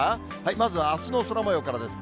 まずはあすの空もようからです。